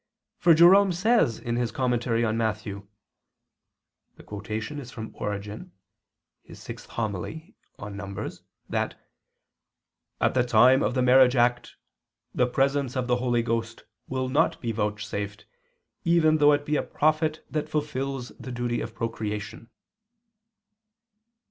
For Jerome says in his commentary on Matthew [*The quotation is from Origen, Hom. vi in Num.] that "at the time of the marriage act, the presence of the Holy Ghost will not be vouchsafed, even though it be a prophet that fulfils the duty of procreation."